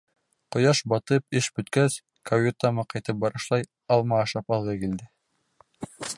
Ҡояш батып, эш бөткәс, каютама ҡайтып барышлай, алма ашап алғы килде.